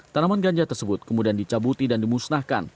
tanaman ganja tersebut kemudian dicabuti dan dimusnahkan